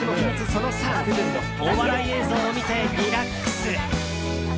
その３お笑い映像を見てリラックス。